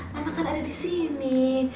karena kan ada di sini